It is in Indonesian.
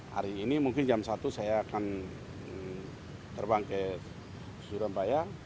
hari ini mungkin jam satu saya akan terbang ke surabaya